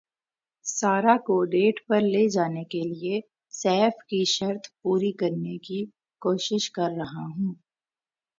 سارہ کو ڈیٹ پر لے جانے کیلئے سیف کی شرط پوری کرنے کی کوشش کررہا ہوں